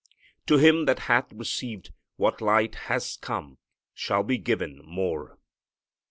To him that hath received what light has come shall be given more.